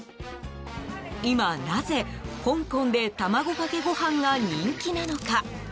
今なぜ、香港で卵かけご飯が人気なのか。